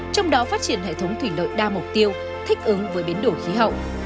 trong đó phát triển hệ thống thủy lợi đa mục tiêu thích ứng với biến đổi khí hậu